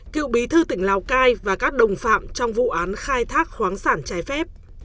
cựu bí thư tỉnh lào cai và các đồng phạm trong vụ án khai thác khoáng sản trái phép